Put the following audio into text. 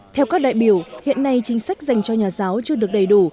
theo các đại biểu hiện nay chính sách dành cho nhà giáo chưa được đầy đủ